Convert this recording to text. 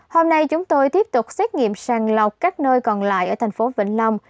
hôm nay chúng tôi tiếp tục xét nghiệm sàng lọc các nơi còn lại ở thành phố vĩnh long